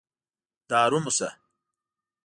دارو موسه.